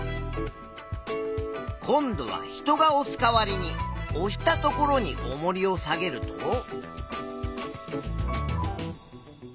今度は人がおす代わりにおしたところにおもりを下げると。